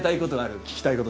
聞きたいこととか。